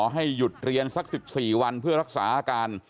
ให้หยุดเรียนสัก๑๔วันเพื่อรักษาอาการ